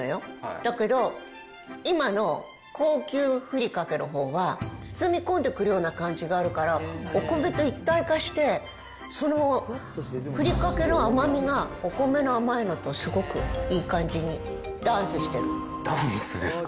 だけど、今の高級ふりかけのほうは、包み込んでくるような感じがあるから、お米と一体化して、そのふりかけの甘みがお米の甘いのとすごくいい感じにダンスしてダンスですか？